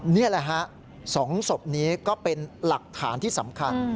นี่แหละฮะ๒ศพนี้ก็เป็นหลักฐานที่สำคัญ